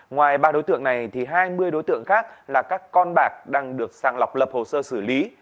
ngoài ba đối tượng này thì hai mươi đối tượng khác là các con bạc đang được sàng lọc lập hồ sơ xử lý